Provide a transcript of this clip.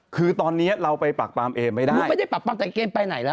คือตอนนี้เราไปปากปามเอมไปได้ไม่ได้ปากปามแต่เอมไปไหนแล้ว